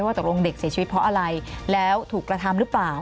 ตกลงเด็กเสียชีวิตเพราะอะไรแล้วถูกกระทำหรือเปล่า